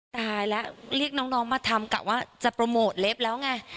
ตายแล้วเรียกน้องมาทำกะว่าจะโปรโมทเล็บแล้วไง